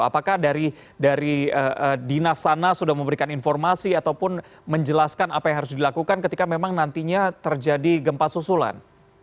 apakah dari dinas sana sudah memberikan informasi ataupun menjelaskan apa yang harus dilakukan ketika memang nantinya terjadi gempa susulan